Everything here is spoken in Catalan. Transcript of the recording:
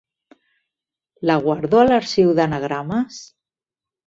¿La guardo a l'arxiu d'anagrames?